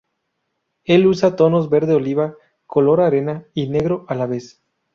El usa tonos verde oliva, color arena y negro a la vez.